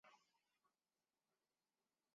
香港风雨很大